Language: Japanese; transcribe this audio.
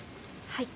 はい。